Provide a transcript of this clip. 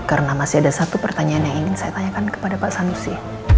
karena masih ada satu pertanyaan yang ingin saya tanyakan kepada pak sanusi